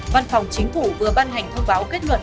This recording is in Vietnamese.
văn phòng chính phủ vừa ban hành thông báo kết luận